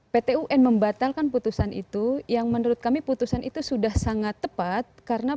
pt un membatalkan putusan itu yang menurut kami putusan itu sudah sangat tepat karena